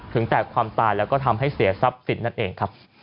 แตกความตายแล้วก็ทำให้เสียทรัพย์สินนั่นเองครับ